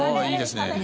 いいですね。